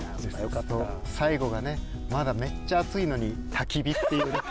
最後がねまだめっちゃ暑いのにたき火っていうね。